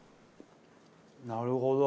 なるほど。